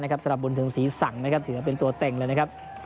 สำหรับบุญถึงศรีษังถือว่าเป็นตัวเต้งเลย